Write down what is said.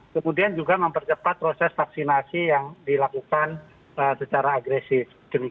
kemudian juga mempercepat proses vaksinasi yang dilakukan secara agresif